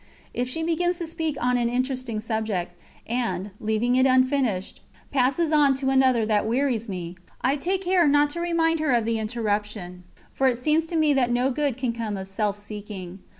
If she begins to speak on an interesting subject, and, leaving it unfinished, passes on to another that wearies me, I take care not to remind her of the interruption, for it seems to me that no good can come of self seeking.